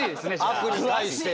悪に対して。